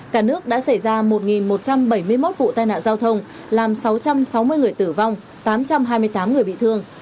cả nước đã xảy ra một một trăm bảy mươi một vụ tai nạn giao thông làm sáu trăm sáu mươi người tử vong tám trăm hai mươi tám người bị thương